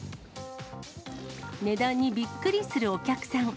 値段にびっくりするお客さん。